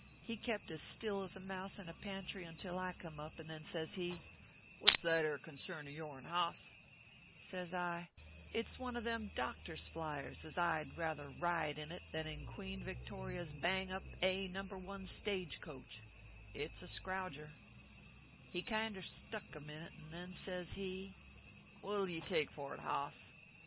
He kept as still as a mouse in a pantry until I come up, and then says ho :" What s that ere concern of yourn, hoss ?" Says I :" It s one of them doctor s flyers as I d rather ride ORPHEUS C. KERR PAPERS. 237 in it than in Queen Victory s bang up, A, No. 1, stage coach. It s a scrouger." " He kinder stuck a minute, and then says he :" What ll ye take for it, hoss